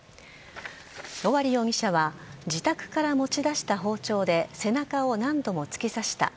尾張容疑者は自宅から持ち出した包丁で背中を何度も突き刺した。